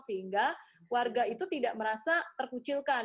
sehingga warga itu tidak merasa terkucilkan